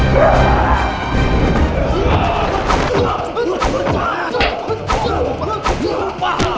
kalian semua tidak tahu diri